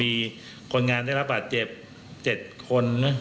ที่คนงานได้รับบัติเจ็บ๗คน